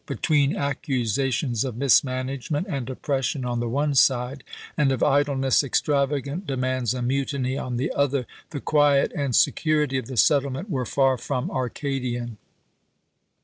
Between accusations of mismanagement and oppression on the one side, and of idleness, extravagant demands, and mutiny on the other, the quiet and security of the settlement were far from Arcadian.